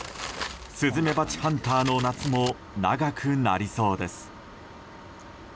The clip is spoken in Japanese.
スズメバチハンターの夏も長くなりそうです。